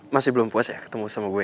masih belum puas ya ketemu sama gue